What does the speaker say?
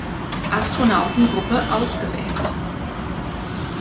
Astronautengruppe ausgewählt.